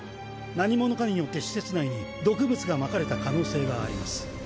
何者かによって施設内に毒物がまかれた可能性があります。